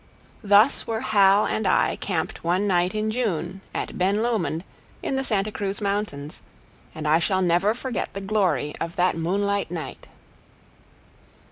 Thus were Hal and I camped one night in June, at Ben Lomond, in the Santa Cruz mountains, and I shall never forget the glory of that moonlight night.